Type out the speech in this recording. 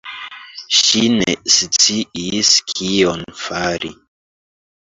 Ŝi ne sciis kion fari.